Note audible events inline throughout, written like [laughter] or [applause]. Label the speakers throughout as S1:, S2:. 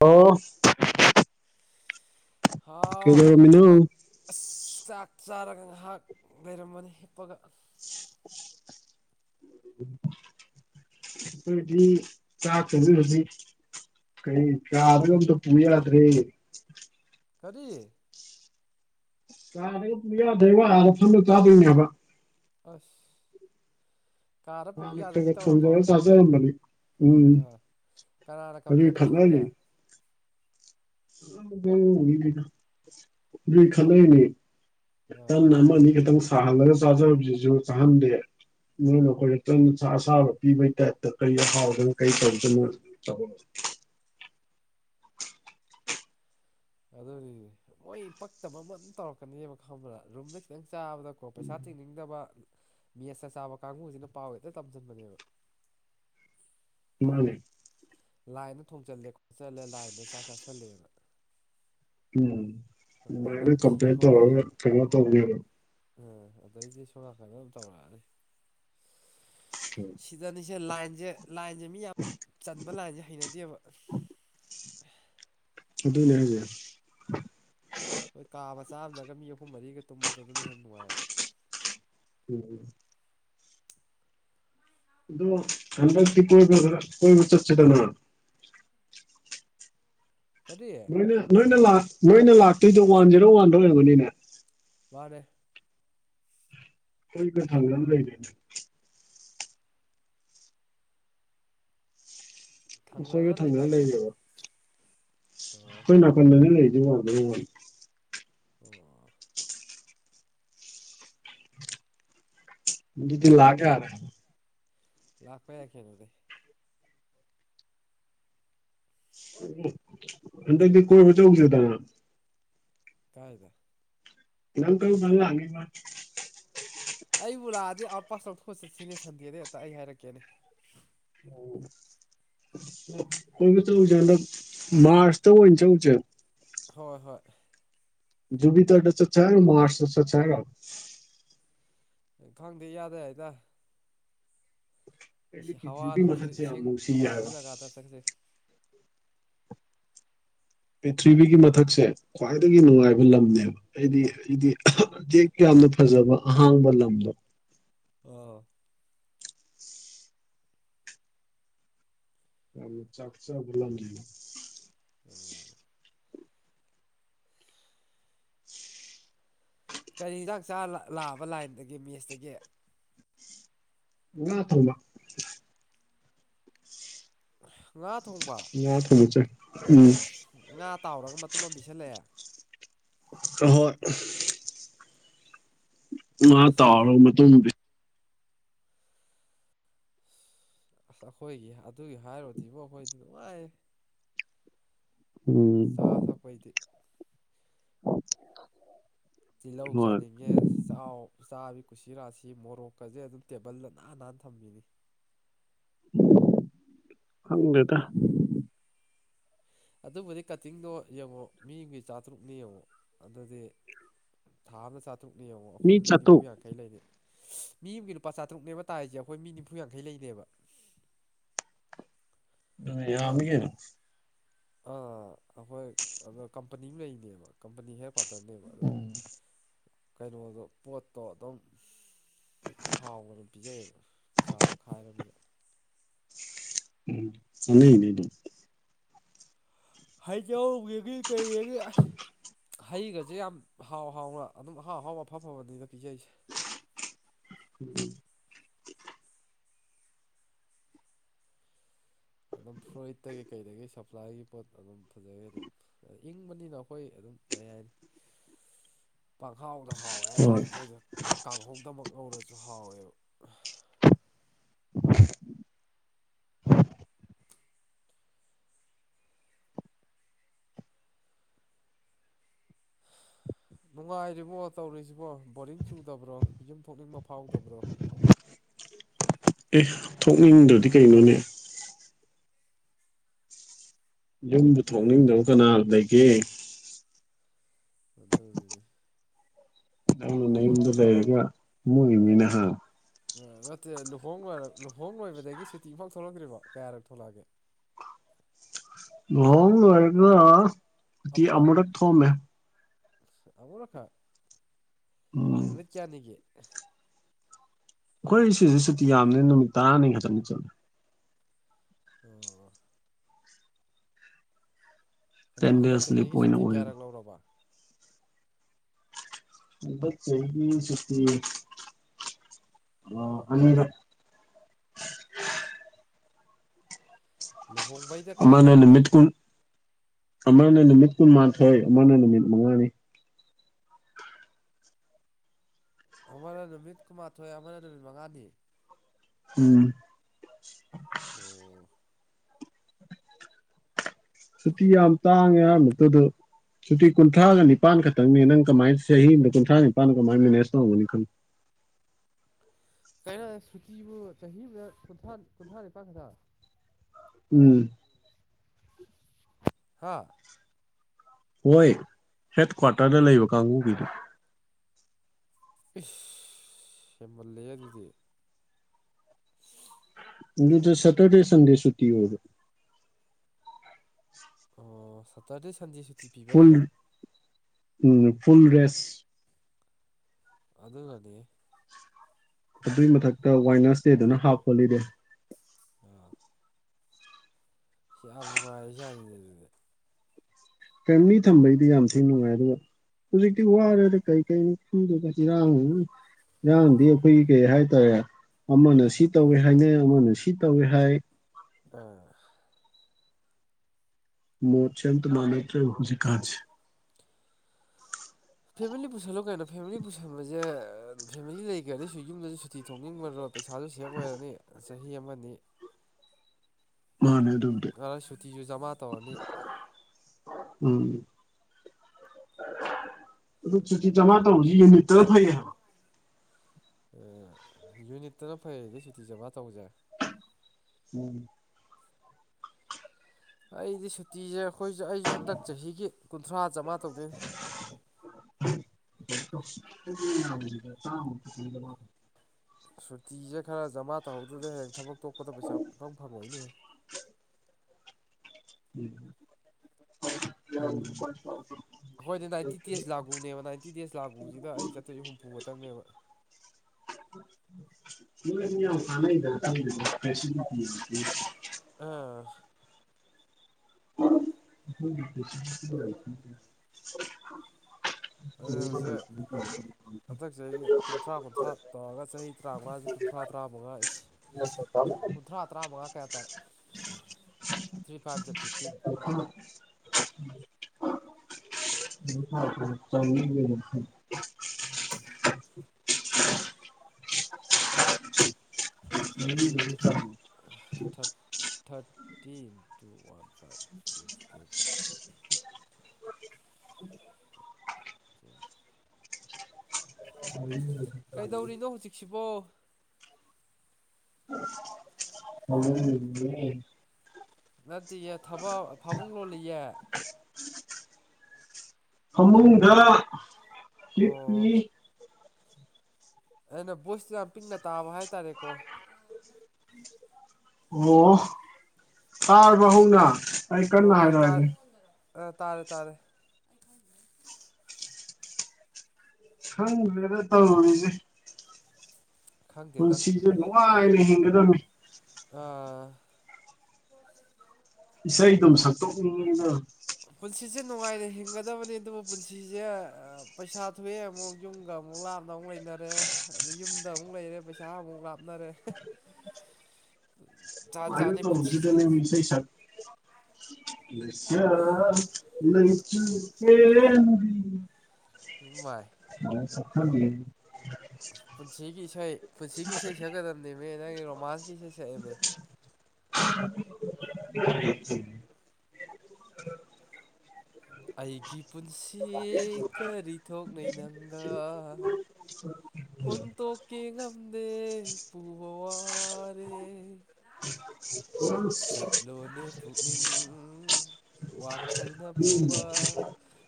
S1: Hello
S2: ꯍꯥꯎ
S1: ꯀꯩꯗꯧꯔꯝꯃꯤꯅꯣ
S2: ꯀꯃꯥꯏ ꯑꯁ ꯆꯥꯛ ꯆꯥꯔꯒ ꯉꯥꯏꯍꯥꯛ ꯂꯩꯔꯝꯕꯅꯦ ꯍꯤꯞꯄꯒ
S1: [inaudible] ꯑꯩꯈꯣꯏꯗꯤ ꯆꯥꯛꯖꯤ ꯍꯧꯖꯤꯛ ꯀꯩ ꯆꯥꯕꯒ ꯑꯝꯇ ꯄꯨ ꯌꯥꯗ꯭ꯔꯦ
S2: ꯀꯔꯤ
S1: ꯆꯥꯗꯒ ꯄꯨꯡ ꯌꯥꯗ꯭ꯔꯩ ꯋꯥ ꯑꯥꯗ ꯐꯝꯗ ꯆꯥꯗꯣꯏꯅꯦꯕ
S2: ꯑꯁ ꯀꯥꯔ ꯗ ꯄꯨꯕꯤ
S1: ꯍꯥꯟꯅ ꯈꯔ ꯈꯔ
S2: ꯌꯥꯗꯕꯤ ꯇꯧꯔꯕꯣ
S1: ꯊꯣꯡꯖꯔ ꯆꯥꯖꯔꯝꯕꯅꯤ ꯎꯝ
S2: ꯑꯥ ꯀꯅꯥꯅ
S1: ꯑꯗꯨꯒꯤ
S2: ꯀꯝꯄ꯭ꯂꯦꯟ ꯇꯧꯁꯜꯂꯨꯔꯦ
S1: ꯑ ꯃꯤ ꯈꯂꯅꯦ ꯇꯞꯅꯥ
S2: ꯑꯥ
S1: ꯈꯤꯇꯪ ꯑꯃꯅꯤ ꯈꯤꯇꯪ ꯁꯥꯍꯜꯂꯒ ꯆꯥꯖꯕꯁꯤꯁꯨ ꯆꯥꯍꯟꯗꯦ ꯅꯣꯏꯅꯈꯣꯏꯛꯇꯪ ꯑꯁꯥꯕ ꯄꯤꯕꯩ ꯇꯥꯏꯞꯇ ꯀꯔꯤ ꯍꯍꯥꯎꯗꯅꯣ ꯀꯔꯤ ꯇꯧꯗꯅꯣ [inaudible]
S2: ꯑꯗꯨꯅꯤꯅꯦ ꯃꯣꯏ ꯄꯛꯇ ꯃꯃꯟ ꯇꯧꯔꯛꯀꯅꯦꯕ ꯈꯪꯕ꯭ꯔ ꯔꯨꯝꯗ ꯈꯤꯇꯪ ꯆꯥꯕꯗ ꯀꯣ ꯄꯩꯁꯥ ꯇꯤꯡꯅꯤꯡꯗꯕ ꯃꯤꯠꯁ ꯆ ꯆꯥꯕ ꯀꯥꯡꯕꯨꯁꯤꯅ ꯄꯥꯎ ꯍꯦꯛꯇ ꯇꯝꯁꯤꯟꯕꯅꯦꯕ
S1: ꯃꯥꯅꯦ
S2: ꯂꯥꯏꯗ ꯊꯣꯡꯆꯜꯂꯦ ꯈꯣꯠꯆꯜꯂꯦ ꯂꯥꯏꯟꯗ ꯆꯥꯛ ꯆꯥꯁꯜꯂꯦꯅ
S1: ꯎꯝ
S2: ꯑꯗꯩ
S1: ꯃꯥꯏꯅ
S2: ꯅꯝꯊꯤ
S1: ꯀꯝꯄ꯭ꯂꯦꯟ ꯇꯧꯔꯒ ꯀꯩꯅꯣ ꯇꯧꯕꯅꯤꯔꯣ
S2: ꯎꯝ ꯑꯗꯩꯗꯤ ꯁꯣꯝ ꯅꯥꯀꯗ ꯑꯗꯨꯝ ꯇꯧꯔꯛꯑꯅꯤ
S1: ꯎꯝ
S2: ꯁꯤꯗꯅꯤꯁꯦ ꯂꯥꯏꯟꯁꯦ ꯂꯥꯏꯟꯁꯦ ꯃꯤ ꯌꯥꯝ
S1: [unintelligible]
S2: ꯈꯟꯕ ꯂꯥꯏꯟꯁꯦ ꯍꯩꯅꯗꯦꯕ
S1: ꯑꯗꯨꯅꯦ ꯍꯥꯏꯖꯦ
S2: ꯍꯣꯏ ꯀꯥ ꯃꯆꯥ ꯑꯃꯝꯗꯒ ꯃꯤ ꯑꯍꯨꯝ ꯃꯔꯤꯒ ꯇꯨꯝꯕꯗꯨꯗꯨꯅ ꯍꯦꯟꯅ ꯅꯨꯡꯉꯥꯏꯑꯕ
S1: ꯎꯝ ꯑꯗꯨꯣ ꯍꯟꯕꯤ ꯀꯣꯏ꯭ꯔ ꯀꯣꯏꯕ ꯆꯠꯁꯤꯗꯅ
S2: ꯀꯔꯤ
S1: ꯅꯣꯏꯅ ꯅꯣꯏꯅ ꯅꯣꯏꯅ ꯂꯥꯛꯇꯣꯏꯗꯣ ꯋꯥꯟ ꯖꯦꯔꯣ ꯋꯥꯟꯗ ꯑꯣꯏꯔꯝꯔꯕꯅꯤꯅꯦ
S2: ꯃꯥꯅ
S1: ꯃꯣꯏꯒ ꯊꯥꯡꯖꯝ ꯂꯩꯔꯤ ꯑꯩꯈꯣꯏꯒ ꯊꯪꯅꯅ ꯂꯩꯔꯦꯕ
S2: ꯑꯣ
S1: ꯑꯩꯈꯣꯏ ꯅꯥꯀꯟꯗꯅꯦ ꯂꯩꯔꯤꯁꯦ ꯋꯥꯡꯗꯕꯩ ꯋꯥꯅꯤ
S2: ꯑꯣ
S1: ꯑꯗꯨꯗꯤ ꯂꯥꯛ ꯌꯥꯔꯦ
S2: ꯂꯥꯛꯄ ꯌꯥꯏ ꯀꯩꯅꯣꯗ
S1: ꯍꯟꯗꯛꯇꯤ ꯀꯣꯏꯕꯥ ꯆꯠꯂꯨꯁꯤꯗꯅ
S2: ꯀꯥꯏꯗ
S1: ꯅꯪ ꯀꯔꯝ ꯀꯥꯟ ꯂꯥꯛꯅꯦꯕꯥ
S2: ꯑꯩꯕꯨ ꯂꯥꯛꯑꯗꯤ ꯑꯥꯎꯠ ꯄꯥꯁ ꯂꯧꯊꯣꯛꯑ ꯆꯠꯁꯤꯅꯦ ꯁꯟꯗꯦꯗ ꯍꯦꯛꯇ ꯑꯩ ꯍꯥꯏꯔꯛꯀꯦꯅꯦ
S1: ꯀꯣꯏꯕꯥ ꯆꯠꯂꯨꯁꯦ ꯍꯟꯗꯛ ꯃꯥꯔꯁꯇ ꯑꯣꯏꯅ ꯆꯠꯂꯨꯁꯦ
S2: ꯍꯣꯏ ꯍꯣꯏ
S1: ꯖꯨꯄꯤꯇꯦꯔ ꯗ ꯆꯠꯁꯦ ꯍꯥꯏꯔꯣ ꯃꯥꯠꯆ ꯇꯥ ꯆꯠꯁꯦ ꯍꯥꯏꯔꯣ꯫
S2: ꯈꯪꯗꯦ ꯏꯌꯥꯗ ꯌꯥꯏꯗ
S1: ꯑꯩꯗꯤ
S2: ꯏꯁ ꯍꯋꯥ
S1: ꯄ꯭ꯔꯤꯊꯤꯕꯤ
S2: ꯅꯨꯡꯁꯤꯠ
S1: ꯃꯊꯛꯁꯦ ꯌꯥꯝ
S2: ꯏꯁꯤꯡ
S1: ꯅꯨꯡꯁꯤꯌꯦ ꯍꯥꯏꯕ
S2: ꯅꯨꯡꯉꯥꯏꯕ ꯖꯒꯥꯗ ꯆꯪꯁꯦ
S1: ꯄ꯭ꯔꯤꯊ꯭ꯤꯕꯤꯒꯤ ꯃꯊꯛꯁꯦ ꯈ꯭ꯋꯥꯏꯗꯒꯤ
S2: ꯎꯝ
S1: ꯅꯨꯡꯉꯥꯏꯕ ꯂꯝꯅꯦꯕ ꯑꯩꯗꯤ ꯑꯩꯗꯤ ꯍꯦꯛ ꯌꯥꯝꯅ ꯐꯖꯕ ꯑꯍꯥꯡꯕ ꯂꯝꯗꯣ
S2: ꯑꯥ
S1: ꯌꯥꯝꯅ ꯆꯥꯛꯆꯥꯎꯒ ꯂꯝꯒꯤꯝꯅꯦ
S2: UNINTELLIGIBLE ꯀꯔꯤ ꯍꯦꯟꯖꯥꯡ ꯆꯥꯔ ꯂꯥꯛꯑꯕ ꯂꯥꯏꯟꯗꯒꯤ ꯃꯦꯁꯇꯒꯤ
S1: ꯉ ꯊꯝꯕ
S2: ꯉꯥ ꯊꯣꯡꯕ
S1: ꯉꯥ ꯊꯣꯡꯕ ꯆꯥꯏ
S2: ꯎꯝ ꯉꯥ ꯇꯥꯎꯔꯒ ꯃꯇꯨꯝ ꯑꯃ ꯄꯤꯁꯜꯂꯛꯑꯦ
S1: ꯍꯣꯏ ꯃꯥ ꯇꯥꯎꯔ ꯃꯇꯨꯝ ꯄꯤ
S2: ꯑꯁ ꯑꯩꯈꯣꯏꯒꯤ ꯑꯗꯨꯒꯤ ꯍꯥꯏꯔꯨꯗꯤꯕꯨ ꯑꯩꯈꯣꯏꯗꯤ ꯅꯨꯡꯉꯥꯏ
S1: [inaudible]
S2: ꯆꯥ ꯊꯛꯄꯩꯗꯤ ꯇꯤꯜꯍꯧ
S1: ꯍꯣꯏ
S2: ꯆꯥꯅꯤꯡꯉꯦ ꯏꯆꯥꯎ ꯆꯥꯕꯤ ꯀꯨꯁꯤꯔꯥꯁꯤ ꯃꯣꯔꯣꯛꯀꯁꯦ ꯑꯗꯨꯝ ꯇꯦꯕꯜꯗ ꯅꯥꯟꯅ ꯅꯥꯟꯅ ꯊꯝꯕꯤꯅꯤ
S1: ꯍꯪꯗꯦꯗ
S2: ꯑꯗꯨꯕꯨꯗꯤ ꯀꯠꯇꯤꯡꯗꯣ ꯌꯦꯡꯉꯣ ꯃꯤ ꯑꯃꯒꯤꯒꯤ ꯆꯥꯇꯔꯨꯛꯅꯤ ꯌꯦꯡꯉꯣ ꯑꯗꯨꯗꯤ ꯊꯥ ꯑꯃꯅ ꯆꯥꯇ꯭ꯔꯨꯛꯅ ꯌꯦꯡꯉꯣ ꯑꯩꯈꯣꯏ ꯃꯤ ꯅꯤꯐꯨ ꯌꯥꯡ ꯌꯥꯡꯈꯩ ꯂꯩꯗꯦ ꯃꯤ ꯑꯃꯒꯤ ꯂꯨꯄꯥ ꯆꯥꯇ꯭ꯔꯨꯛꯅꯦꯕ ꯇꯥꯔꯤꯁꯦ ꯑꯩꯈꯣꯏ ꯃꯤ ꯅꯤꯝꯐꯨ ꯌꯥꯡꯈꯩ ꯂꯩꯗꯦꯕ
S1: ꯑ
S2: ꯑꯗꯣ
S1: ꯌꯥꯝ ꯃꯤꯀꯩꯅꫭ
S2: ꯑꯥ ꯑꯩꯈꯣꯏ ꯑꯗꯣ ꯀꯝꯄꯅꯤ ꯑꯃ ꯂꯩꯅꯦꯕ ꯀꯝꯄꯅꯤ ꯍꯦꯛ ꯄ ꯈꯥꯛꯇꯅꯦꯕ ꯑꯗꯨ
S1: ꯎꯝ
S2: ꯀꯩꯅꯣꯗꯣ ꯄꯣꯠꯇꯣ ꯑꯗꯨꯝ ꯍꯥꯎꯅ ꯑꯗꯨꯝ ꯄꯤꯖꯩꯌꯦꯕ ꯄꯩꯁꯥꯗꯣ ꯈꯥꯏꯔꯕꯤꯗ
S1: ꯎꯝ ꯅꯅꯦ ꯑꯗꯨ
S2: ꯍꯩꯖꯧ ꯕꯦꯕꯤ ꯀꯩꯒ ꯑꯁ ꯍꯩꯒꯁꯦ ꯌꯥꯝ ꯍꯥꯎ ꯍꯥꯎꯅ ꯑꯗꯨꯝ ꯑꯍꯥꯎ ꯑꯍꯥꯎꯕ ꯑꯐ ꯐꯕꯅꯤꯗ ꯄꯤꯖꯩꯁꯦ
S1: ꯎꯝ
S2: ꯑꯗꯨꯝ ꯐ꯭ꯂꯣꯏꯍꯤꯠꯇꯒꯤ ꯀꯩꯗꯒꯤ ꯁꯄ꯭ꯂꯥꯏꯒꯤ ꯄꯣꯠ ꯑꯗꯨꯝ ꯐꯖꯩ ꯑꯗꯨꯝ ꯑ ꯏꯪꯕꯅꯤꯅ ꯑꯩꯈꯣꯏ ꯑꯗꯨꯝ ꯀꯩ ꯍꯥꯏꯅꯤ
S1: [inaudible]
S2: ꯄꯪꯍꯥꯎꯗ ꯍꯥꯎꯋꯦ
S1: ꯍꯣꯏ
S2: ꯍꯥꯏꯇꯥꯔꯦ ꯑꯈꯣꯏꯗꯨꯝ ꯀꯥꯡꯍꯧꯗꯃꯛ ꯉꯧꯔꯁꯨ ꯍꯥꯎꯋꯦꯕ
S1: [inaudible]
S2: ꯅꯨꯡꯉꯥꯏꯔꯤꯕꯣ ꯇꯧꯔꯤꯁꯤꯕꯣ ꯕꯣꯔꯤꯡ ꯆꯨꯗꯕ꯭ꯔꯣ ꯌꯨꯝ ꯊꯣꯛꯅꯤꯡꯕ ꯐꯥꯎꯗꯕ꯭ꯔꯣ
S1: ꯑꯦ ꯊꯣꯛꯅꯤꯡꯗ꯭ꯔꯗꯤ ꯀꯩꯅꯣꯅꯦ ꯌꯨꯝꯕꯨ ꯊꯣꯛꯅꯤꯡꯗꯕ ꯀꯅꯥ ꯂꯩꯒꯦ
S2: ꯑꯗꯨ ꯇꯧꯔꯤꯕꯅꯦ
S1: ꯅꯪꯅ ꯅꯌꯨꯝꯗ ꯂꯩꯔꯒ ꯃꯨꯛꯏꯅꯤꯅꯦ ꯍꯥ
S2: ꯅꯠꯇꯦ ꯂꯨꯍꯣꯡ ꯂꯣꯏꯔ ꯂꯨꯍꯣꯡ ꯂꯣꯏꯕꯗꯒꯤ ꯁꯨꯇꯤ ꯑꯃꯐꯥꯎ ꯊꯣꯛꯂꯛꯇ꯭ꯔꯤꯕꯣ ꯀꯌꯥꯔꯛ ꯊꯣꯛꯂꯛꯑꯒꯦ
S1: ꯂꯣꯍꯣꯡ ꯂꯣꯏꯔꯒ ꯁꯨꯇꯤ ꯑꯃꯨꯔꯛ ꯊꯣꯑꯝꯃꯦ
S2: ꯑꯃꯨꯔꯈꯥꯠ
S1: ꯎꯝ
S2: ꯀ꯭ꯌꯥꯗꯒꯤ
S1: ꯑꯩꯈꯣꯏ ꯁꯤꯁꯦ ꯁꯨꯇꯤ ꯌꯥꯝꯅꯤ ꯅꯨꯃꯤꯠ ꯇꯔꯥꯅꯤ ꯈꯛꯇꯪꯅꯤ ꯆꯠꯂ
S2: ꯑꯣ
S1: ꯇꯦꯟ
S2: ꯍꯟꯗꯛ ꯍꯟꯗꯛ
S1: ꯗꯦꯖ ꯂꯤꯞ
S2: ꯆꯍꯤꯒꯤ
S1: ꯑꯣꯏꯅ
S2: ꯁꯨꯇꯤ
S1: ꯑꯣꯏꯕ
S2: ꯀꯌꯥꯔꯛ ꯂꯧꯔꯕ
S1: UNINTELLIGIBLE
S2: ꯂꯨꯍꯣꯡꯕꯩꯗ ꯀꯌꯥꯔꯛ
S1: ꯑꯃꯅ
S2: ꯂꯧꯒꯦ
S1: ꯅꯨꯃꯤꯠ ꯀꯨꯟ ꯑꯃꯅ ꯅꯨꯃꯤꯠ ꯀꯨꯟꯃꯥꯊꯣꯏ ꯑꯃꯅ ꯅꯨꯃꯤꯠ ꯃꯉꯥꯅꯤ
S2: ꯑꯃꯅ ꯅꯨꯃꯤꯠ ꯀꯨꯟꯃꯥꯊꯣꯏ ꯑꯃꯅ ꯅꯨꯃꯤꯠ ꯃꯉꯥꯅꯤ
S1: ꯎꯝ
S2: ꯑꯣ
S1: ꯁꯨꯇꯤ ꯌꯥꯝ ꯇꯥꯡꯉꯦ ꯍꯥꯏ ꯃꯛꯇꯗ ꯁꯨꯇꯤ ꯀꯨꯟꯊ꯭ꯔꯥꯒ ꯅꯤꯄꯥꯟ ꯈꯠꯇꯪꯅꯦ ꯅꯪ ꯀꯃꯥꯏꯅ ꯆꯍꯤ ꯑꯃꯗ ꯀꯨꯟꯊ꯭ꯔꯥꯅꯤꯄꯥꯟ ꯀꯃꯥꯏ ꯃꯦꯅꯦꯖ ꯇꯧꯔꯝꯒꯅꯤ ꯈꯪꯂꯨ
S2: ꯀꯩꯅꯣ ꯁꯨꯇꯤꯕꯨ ꯆꯍꯤ ꯑꯃꯗ ꯀꯨꯟꯊ꯭ꯔꯥ ꯀꯨꯟꯊ꯭ꯔꯥꯅꯤꯄꯥꯟ ꯈꯛꯇ
S1: ꯎꯝ
S2: ꯍꯥ
S1: ꯍꯣꯏ ꯍꯦꯠ ꯀ꯭ꯋꯥꯔꯇꯔꯗ ꯂꯩꯕ ꯀꯥꯡꯕꯨꯒꯤꯗꯨꯣ
S2: ꯏꯁ ꯍꯦꯟꯃꯜꯂꯦꯍꯦ ꯑꯗꯨꯗꯤ
S1: ꯗ ꯁꯦꯇꯔꯗꯦ ꯁꯟꯦꯗꯦ ꯁꯨꯇꯤ ꯑꯣꯏꯕ꯭ꯔꯣ
S2: ꯑꯣ ꯁꯠꯇꯥꯔꯗꯤ ꯁꯟ
S1: ꯐꯜ ꯎꯝ ꯐꯨꯜ ꯔꯦꯁ
S2: ꯑꯗꯨꯒꯗꯤ
S1: ꯑꯗꯨꯏ ꯃꯊꯛꯇ ꯋꯥꯏꯅꯁꯗꯦꯗꯅ ꯍꯥꯞ ꯍꯣꯂꯤꯗꯦ
S2: ꯑ ꯁꯤ ꯌꯥꯝ ꯅꯨꯡꯉꯥꯏꯔꯤ ꯖꯥꯠꯅꯤꯅꯦ ꯑꯗꯨꯗꯤ
S1: ꯐꯦꯃꯤꯂꯤ ꯊꯝꯕꯩꯗꯤ ꯌꯥꯝ ꯊꯤ ꯅꯨꯡꯉꯥꯏ ꯑꯗꯨꯒ ꯍꯧꯖꯤꯛꯛꯇꯤ ꯋꯥꯔꯦꯗ ꯀꯩ ꯀꯩꯅꯣ ꯈꯪꯗꯦꯗ ꯏꯔꯥꯡꯖꯤꯅ ꯏꯔꯥꯡꯗꯤ ꯑꯩꯈꯣꯏꯒꯤ ꯀꯩ ꯍꯥꯏꯇꯥꯔꯦ ꯑꯃꯅ ꯁꯤ ꯇꯧꯋꯦ ꯍꯥꯏꯅꯩ ꯑꯃꯅ ꯁꯤ ꯇꯧꯋꯦ ꯍꯥꯏ
S2: ꯑꯥ
S1: ꯃꯣꯠꯁꯦ ꯑꯝꯇ ꯃꯥꯅꯗ꯭ꯔꯦ ꯍꯧꯖꯤꯛ ꯀꯥꯟꯁꯦ
S2: ꯐꯦꯃꯤꯂꯤ ꯄꯨꯁꯜꯂꯣ ꯀꯩꯅꯣ ꯐꯦꯃꯤꯂꯤ ꯄꯨꯁꯟꯕꯖꯦ ꯐꯦꯃꯤꯂꯤ ꯂꯩꯒ꯭ꯔꯗꯤ ꯁꯤ ꯌꯨꯝꯗꯁꯨ ꯁꯨꯇꯤ ꯊꯣꯛꯅꯤꯡꯉꯔꯣꯏ ꯄꯩꯁꯥꯖꯨ ꯁꯦꯞ ꯑꯣꯏꯔꯅꯤ ꯆꯍꯤ ꯑꯃ ꯑꯅꯤ
S1: ꯃꯥꯅꯦ ꯑꯗꯨꯕꯨꯗꯤ
S2: ꯒ꯭ꯔ ꯁꯨꯇꯤꯖꯨ ꯖꯃꯥ ꯇꯧꯔꯅꯤ
S1: ꯎꯝ ꯑꯗꯨ ꯆꯨꯇꯤ ꯖꯃꯥ ꯇꯧꯕꯖꯤ ꯌꯨꯅꯤꯠꯇꯅ ꯐꯩꯌꯦ ꯍꯥꯏꯕ
S2: ꯑ ꯌꯨꯅꯤꯠꯇꯅ ꯐꯩꯑꯗꯤ ꯁꯨꯇꯤ ꯖꯃꯥ ꯇꯧꯕꯁꯦ
S1: ꯎꯝ
S2: ꯑꯩꯗꯤ ꯁꯨꯇꯤꯖꯦ ꯑꯈꯣꯏꯖꯨ ꯑꯩꯖꯨ ꯍꯟꯗꯛ ꯆꯍꯤꯒꯤ ꯀꯨꯟꯊ꯭ꯔꯥ ꯖꯃꯥ ꯇꯧꯗꯣꯏꯅꯤ
S1: [inaudible]
S2: ꯁꯨꯇꯤꯖꯦ ꯈꯔ ꯖꯃꯥ ꯇꯧꯍꯧꯗꯗ ꯍꯌꯦꯡ ꯊꯕꯛ ꯇꯣꯛꯄꯗ ꯄꯩꯁꯥ ꯄꯡꯐꯪ ꯐꯪꯉꯣꯏꯅꯦꯍꯦ
S1: [inaudible]
S2: ꯑꯩꯈꯣꯏꯗꯤ ꯅꯥꯏꯟꯇꯤ ꯗꯦꯖ ꯂꯥꯒꯨꯅꯦꯕ ꯅꯥꯏꯟꯇꯤ ꯗꯦꯖ ꯂꯥꯒꯨꯁꯤꯗ ꯑꯩꯩꯅ ꯆꯠꯇꯨꯏꯁꯦ ꯍꯨꯝꯐꯨ ꯈꯛꯇꯪꯅꯦꯕ
S1: [unintelligible] ꯐ [unintelligible]
S2: ꯑꯥ
S1: ꯎ [unintelligible]
S2: ꯑꯩ ꯍꯧꯖꯤꯛ ꯍꯟꯗꯛ ꯆꯍꯤꯒꯤ ꯀꯨꯟꯊ꯭ꯔꯥ ꯀꯨꯟꯊ꯭ꯔꯥ ꯇꯧꯔꯒ ꯆꯍꯤ ꯇꯔꯥꯃꯉꯥꯖꯦ ꯀꯨꯟꯊ꯭ꯔꯥ ꯇꯔꯥꯃꯉꯥ ꯏꯁ ꯀꯨꯟꯊ꯭ꯔꯥ ꯇꯔꯥꯃꯉꯥ ꯀꯌꯥ ꯇꯥꯏ ꯊ꯭ꯔꯤ ꯐꯥꯏꯚꯖ ꯐꯤꯞꯇꯤꯟ
S1: [unintelligible] ꯂꯤꯡ ꯊꯔꯛꯄꯅꯦ ꯆꯥꯝꯔꯤꯒ ꯅꯤꯝꯐꯨ
S2: ꯎꯝ ꯊꯥꯔꯇꯤ ꯏꯟꯇꯨ ꯐꯤꯞ ꯊꯠ thirty into one five fifteen ꯇꯤꯟ ꯀꯩꯗꯧꯔꯤꯅꯣ ꯍꯧꯖꯤꯛꯁꯤꯕꯣ
S1: [inaudible]
S2: ꯅꯠꯇꯤꯌꯦ ꯊꯕꯛ ꯐꯃꯨꯡ ꯂꯣꯜꯂꯤꯌꯦ
S1: ꯐꯃꯨꯡꯗ
S2: ꯑꯣ
S1: ꯍꯤꯞꯄꯤ
S2: ꯑꯩꯅ ꯚꯣꯏꯁ ꯁꯦ ꯌꯥꯝ ꯄꯤꯛꯅ ꯇꯥꯕ ꯍꯥꯏ ꯇꯥꯔꯦꯀꯣ
S1: ꯑꯣ ꯇꯥꯔꯕꯣ ꯍꯧꯅ ꯑꯩ
S2: ꯍꯣ
S1: ꯀꯟꯅ
S2: ꯇꯥꯏ
S1: ꯍꯥꯏꯔꯛꯑꯒꯦ
S2: ꯑ ꯇꯥꯔꯦ ꯇꯥꯔꯦ
S1: ꯈꯪꯗ꯭ꯔꯦꯗꯥ ꯇꯧꯔꯤꯖꯦ
S2: ꯈꯪꯗꯦꯗ
S1: ꯄꯨꯟꯁꯤꯖꯦ ꯅꯨꯡꯉꯥꯏꯅ ꯍꯤꯡꯒꯗꯝꯅꯤ
S2: ꯑꯥ
S1: ꯏꯁꯩꯗꯨꯝ ꯁꯛꯇꯣꯛꯅꯤꯡꯉꯤꯗ
S2: ꯄꯨꯟꯁꯤꯁꯦ ꯅꯨꯡꯉꯥꯏꯅ ꯍꯤꯡꯒꯗꯕꯅꯤ ꯑꯗꯨꯕꯨ ꯄꯨꯟꯁꯤꯁꯦ ꯄꯩꯁꯥ ꯊꯣꯛꯑꯦ ꯑꯃꯨꯛ ꯌꯨꯝꯒ ꯑꯃꯨꯛ ꯂꯥꯞꯅ ꯑꯃꯨꯛ ꯂꯩꯅꯔꯦ ꯑꯗꯩ ꯌꯨꯝꯗ ꯑꯃꯨꯛ ꯂꯩꯔꯦ ꯄꯩꯁꯥ ꯑꯃꯨꯛ ꯂꯥꯞꯅꯔꯦ ꯎꯝ
S1: ꯁꯨꯃꯥꯏꯅꯥ ꯇꯧꯕꯥꯁꯤꯗꯥꯅꯦꯃꯤ ꯏꯁꯩ ꯁꯛ ꯂꯩꯁꯛ ꯂꯩꯆꯨ ꯍꯦꯟꯕꯤꯅꯤ
S2: ꯏꯝꯃꯩ
S1: ꯉꯥꯏꯍꯥꯛ ꯁꯛꯊꯒꯦꯍꯦ
S2: ꯄꯨꯟꯁꯤꯒꯤ ꯏꯁꯩ ꯄꯨꯟꯁꯤꯒꯤ ꯏꯁꯩ ꯁꯛꯀꯗꯕꯅꯦꯃꯤ ꯅꯪꯒꯤ ꯔꯣꯃꯥꯟꯁꯀꯤ ꯏꯁꯩ ꯁꯛꯑꯦꯃꯤ
S1: [unintelligible]
S2: ꯑꯩꯒꯤ ꯄꯨꯟꯁꯤ ꯀꯔꯤ ꯊꯣꯛꯅꯩ ꯅꯪꯒ
S1: [inaudible]
S2: ꯍꯨꯟꯇꯣꯛꯀꯦ ꯉꯝꯗꯦ ꯄꯨꯕ ꯄꯨꯋꯥꯔꯦ
S1: [inaudible] [inaudible]
S2: ꯆꯠꯂꯣꯅꯦ ꯄꯨꯛꯅꯤꯡ ꯋꯥꯈꯜꯅ ꯄꯨꯕ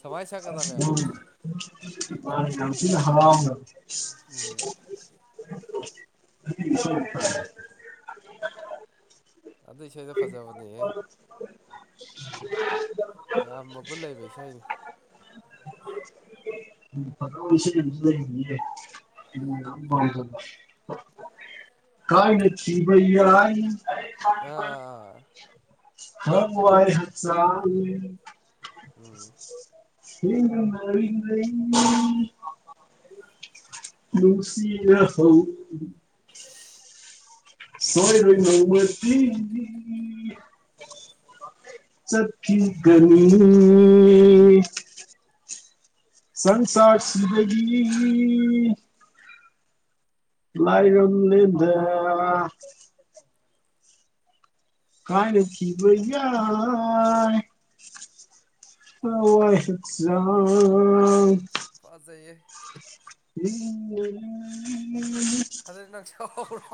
S2: ꯁꯨꯃꯥꯏ ꯁꯛꯀꯗꯕꯅꯦꯕ
S1: ꯃꯥꯅꯦ ꯌꯥꯝ ꯊꯤꯅꯥ ꯍꯔꯥꯎꯅꯥ
S2: ꯇꯥ ꯇꯥꯔꯦ ꯎꯝ
S1: [inaudible]
S2: ꯑꯗꯨ ꯏꯁꯩꯗ ꯐꯖꯕꯅꯦꯍꯦ ꯀꯌꯥꯝ ꯃꯒꯨꯟ ꯂꯩꯕ ꯏꯁꯩꯅꯤ
S1: ꯐꯖꯕ ꯏꯁꯩ ꯑꯃꯖꯨ ꯂꯩꯕꯅꯤꯍꯦ ꯑꯩꯅꯥ ꯌꯥꯝ
S2: ꯀꯩ
S1: ꯄꯥꯝꯖꯕ ꯀꯥꯏꯅꯈꯤꯕ ꯌꯥꯏ
S2: ꯑꯥ
S1: ꯊꯋꯥꯏ ꯍꯛꯆꯥꯡ
S2: ꯎꯝ
S1: ꯊꯦꯡꯅ ꯅꯥꯔꯤꯉꯩ ꯅꯨꯡꯁꯤꯔꯍꯧ ꯁꯣꯏꯔꯣꯏ ꯅꯣꯡꯃꯗꯤ ꯆꯠꯈꯤꯒꯅꯤ ꯁꯪꯁꯥꯔꯁꯤꯗꯒꯤ [unintelligible] ꯀꯥꯏꯅꯈꯤꯕꯌꯥꯏ [unintelligible]
S2: ꯐꯥꯖꯩꯍꯦ
S1: [unintelligible]
S2: ꯑꯗꯨꯗꯤ ꯅꯪ ꯁꯛꯍꯧꯔꯣ